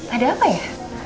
ada apa ya